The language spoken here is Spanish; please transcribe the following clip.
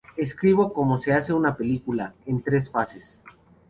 Escribo como se hace una película, en tres fases.